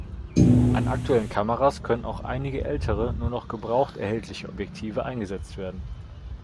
An aktuellen Kameras können auch einige ältere, nur noch gebraucht erhältliche Objektive eingesetzt werden.